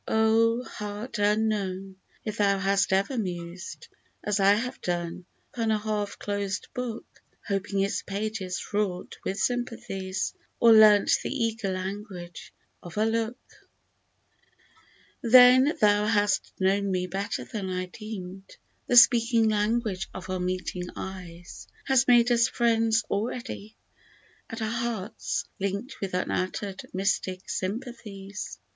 Oh ! Heart unknown ! If thou hast ever mused. As I have done, upon a half closed book, Hoping its pages fraught with sympathies, Or learnt the eager language of a look — To ,,.,. 41 Then thou hast known me better than I deemed ; The speaking language of our meeting eyes Has made us friends already, and our hearts Linked with unuttered mystic sympathies